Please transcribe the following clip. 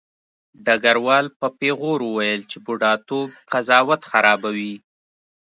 ډګروال په پیغور وویل چې بوډاتوب قضاوت خرابوي